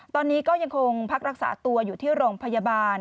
ตอนนี้ก็ยังคงพักรักษาตัวอยู่ที่โรงพยาบาล